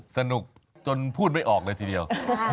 สนุกจนพูดไม่ออกเลยทีเดียว